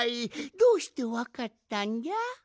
どうしてわかったんじゃ？